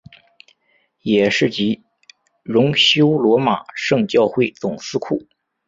也是及荣休罗马圣教会总司库。